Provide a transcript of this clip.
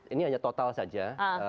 ini hanya total saja